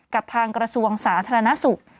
กับทางกระทรวงสาธารณสุข